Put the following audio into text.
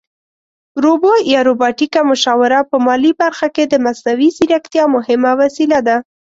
روبو یا روباټیکه مشاوره په مالي برخه کې د مصنوعي ځیرکتیا مهمه وسیله ده